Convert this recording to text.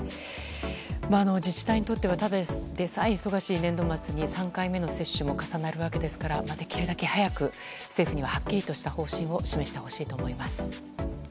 自治体にとってはただでさえ忙しい年度末に３回目の接種も重なるわけですからできるだけ早く政府にははっきりとした方針を示してほしいと思います。